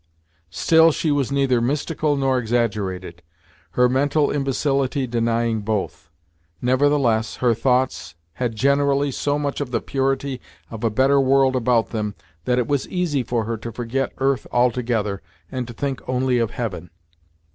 Still she was neither mystical nor exaggerated; her mental imbecility denying both. Nevertheless her thoughts had generally so much of the purity of a better world about them that it was easy for her to forget earth altogether, and to think only of heaven.